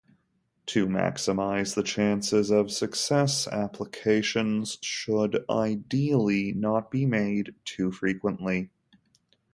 To maximize the chances of success, applications should ideally not be made too frequently.